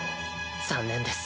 残念です。